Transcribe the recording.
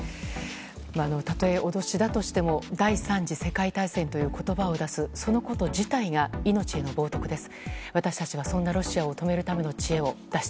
例え脅しだとしても第３次世界大戦という言葉を出す、そのこと自体が命への冒涜です。